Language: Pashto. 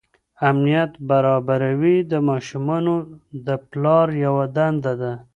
امنیت برابروي د ماشومانو د پلار یوه دنده ده.